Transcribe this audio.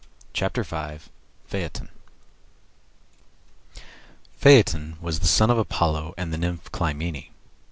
CHAPTER V PHAETON Phaeton was the son of Apollo and the nymph Clymene.